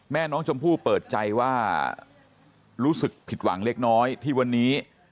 แม่น้องชมพู่เปิดใจว่ารู้สึกผิดหวังเล็กน้อยที่วันนี้